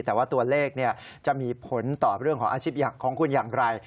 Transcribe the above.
แต่ว่าตัวเลขจะมีผลต่อเรื่องของอาชีพของคุณอย่างไร